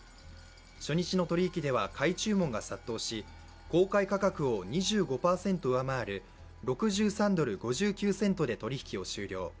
初日の取引では買い注文が殺到し公開価格を２５％上回る６３ドル５９セントで取引を終了。